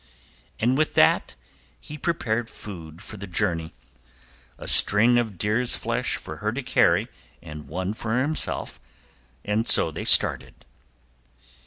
And with that he prepared food for the journey, a string of deer's flesh for her to carry and one for himself; and so they started.